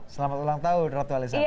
selamat ulang tahun ratu elizabeth